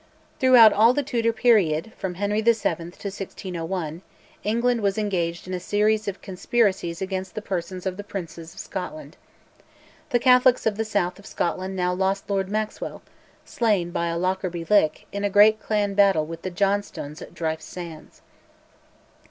Throughout all the Tudor period, from Henry VII. to 1601, England was engaged in a series of conspiracies against the persons of the princes of Scotland. The Catholics of the south of Scotland now lost Lord Maxwell, slain by a "Lockerby Lick" in a great clan battle with the Johnstones at Dryfe Sands.